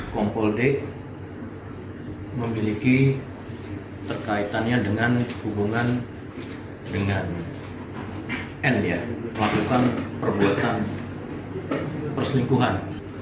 kompol d memiliki terkaitannya dengan hubungan dengan n ya melakukan perbuatan perselingkuhan